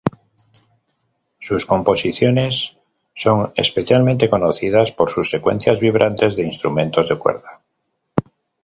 Sus composiciones son especialmente conocidas por sus secuencias vibrantes de instrumentos de cuerda.